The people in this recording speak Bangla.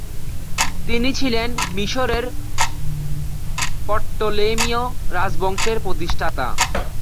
তিনি ছিলেন মিশরের প্টলেমিয় রাজবংশের প্রতিষ্ঠাতা।